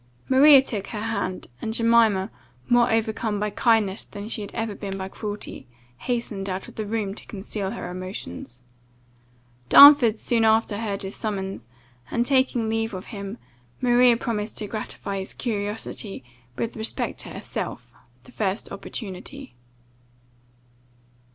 Maria took her hand, and Jemima, more overcome by kindness than she had ever been by cruelty, hastened out of the room to conceal her emotions. Darnford soon after heard his summons, and, taking leave of him, Maria promised to gratify his curiosity, with respect to herself, the first opportunity.